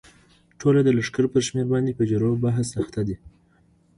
ټوله د لښکر پر شمېر باندې په جرو بحث اخته دي.